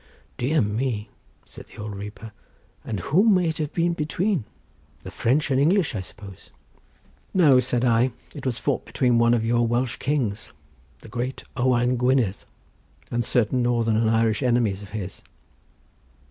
"Dear me," said the old reaper; "and whom may it have been between? the French and English, I suppose." "No," said I; "it was fought between one of your Welsh kings, the great Owain Gwynedd, and certain northern and Irish enemies of his."